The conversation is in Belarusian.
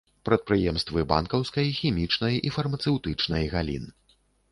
Прадпрыемствы банкаўскай, хімічнай і фармацэўтычнай галін.